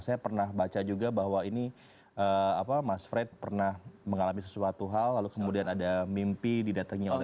saya pernah baca juga bahwa ini mas fred pernah mengalami sesuatu hal lalu kemudian ada mimpi didatangi oleh